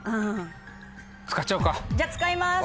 じゃあ使います。